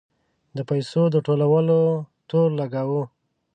د پیسو د ټولولو تور لګاوه.